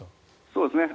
そうですね。